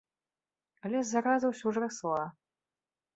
Але зараза ўсё ж расла.